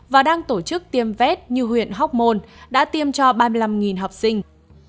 và đang tổ chức tiêm vét như huyện hóc môn đã tiêm cho ba mươi năm học sinh